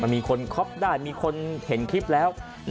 มีคนคอปได้มีคนเห็นคลิปแล้ว